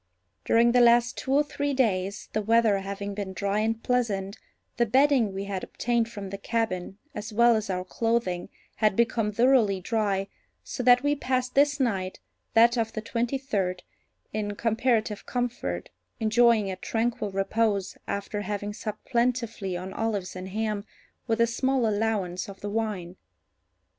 During the last two or three days, the weather having been dry and pleasant, the bedding we had obtained from the cabin, as well as our clothing, had become thoroughly dry, so that we passed this night (that of the twenty third) in comparative comfort, enjoying a tranquil repose, after having supped plentifully on olives and ham, with a small allowance of the wine.